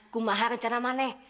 kumbaha rencana mana